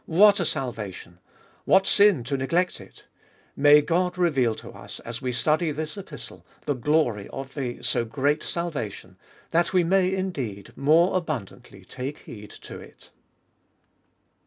What a salvation ! What sin to neglect it ! May God reveal to us, as we study this Epistle, the glory of the so great salvation, that we may indeed more abundantly take heed to it 1.